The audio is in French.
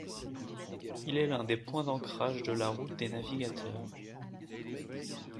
Il est l'un des points d’ancrage de la Route des Navigateurs.